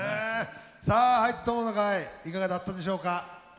さあハイツ友の会いかがだったでしょうか？